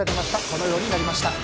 このようになりました。